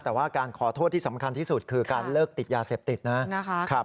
แต่ว่าการขอโทษที่สำคัญที่สุดคือการเลิกติดยาเสพติดนะครับ